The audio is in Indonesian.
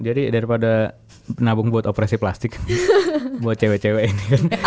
jadi daripada penabung buat operasi plastik buat cewek cewek ini kan